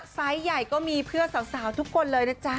ไซส์ใหญ่ก็มีเพื่อสาวทุกคนเลยนะจ๊ะ